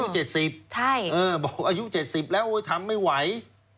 ใช่เออบอกอายุ๗๐แล้วทำไม่ไหว